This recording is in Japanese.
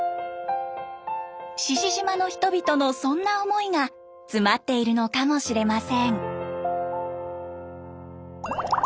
志々島の人々のそんな思いが詰まっているのかもしれません。